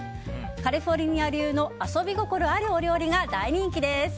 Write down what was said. カリフォルニア流の遊び心あるお料理が大人気です。